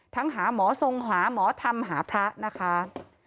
ทั้งหาหมอทรงศักดิ์หาหมอธรรมหาพระนะคะ